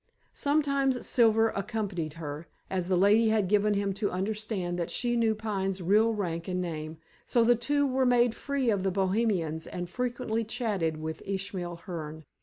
Sometimes Silver accompanied her, as the lady had given him to understand that she knew Pine's real rank and name, so the two were made free of the Bohemians and frequently chatted with Ishmael Hearne.